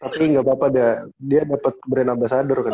tapi nggak apa apa dia dapat brand ambasador kan